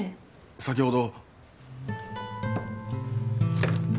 先ほど。